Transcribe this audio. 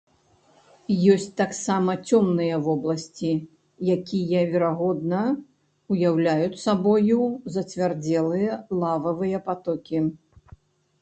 Ёсць таксама цёмныя вобласці, якія, верагодна, уяўляюць сабою зацвярдзелыя лававыя патокі.